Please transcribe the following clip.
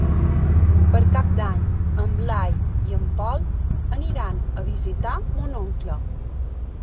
Per Cap d'Any en Blai i en Pol aniran a visitar mon oncle.